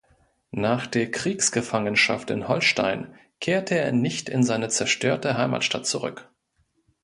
Nach der Kriegsgefangenschaft in Holstein kehrte er nicht in seine zerstörte Heimatstadt zurück.